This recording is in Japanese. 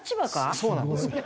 そうなんですよ。